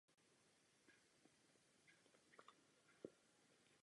Základ tvoří hlavní loď s pravoúhlým kněžištěm.